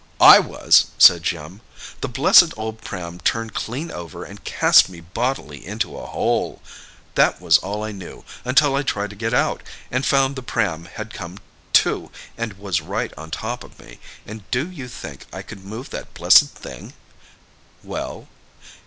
"I was!" said Jim. "The blessed old pram turned clean over and cast me bodily into a hole. That was all I knew—until I tried to get out, and found the pram had come, too, and was right on top of me—and do you think I could move that blessed thing?" "Well?"